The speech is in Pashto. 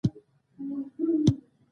پاکوالي د ايمان برخه ده.